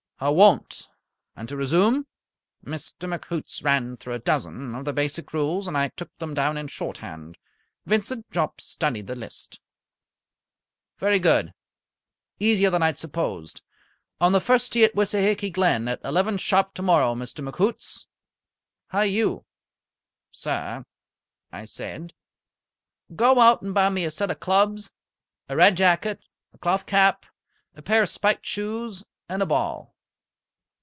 "I won't. And to resume." Mr. McHoots ran through a dozen of the basic rules, and I took them down in shorthand. Vincent Jopp studied the list. "Very good. Easier than I had supposed. On the first tee at Wissahicky Glen at eleven sharp tomorrow, Mr. McHoots. Hi! You!" "Sir?" I said. "Go out and buy me a set of clubs, a red jacket, a cloth cap, a pair of spiked shoes, and a ball."